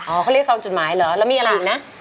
เขาเรียกซองจุดหมายเหรอแล้วมีอะไรอีกนะ